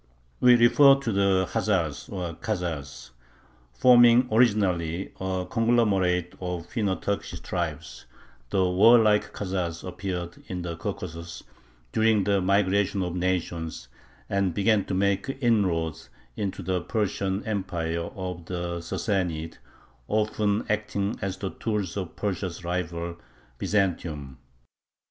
We refer to the Khazars, or Kazars. Forming originally a conglomerate of Finno Turkish tribes, the warlike Khazars appeared in the Caucasus during the "migration of nations," and began to make inroads into the Persian Empire of the Sassanids, often acting as the tools of Persia's rival, Byzantium.